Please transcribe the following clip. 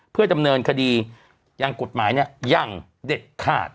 เพื่อจำนวนคดีกฎหมายยังเด็ดขาด